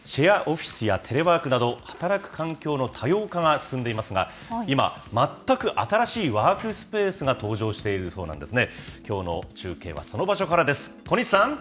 さて、シェアオフィスやテレワークなど、働く環境の多様化が進んでいますが今、全く新しいワークスペースが登場しているそうなんですね。